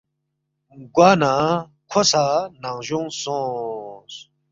گوا نہ کھو سہ ننگجونگ سونگس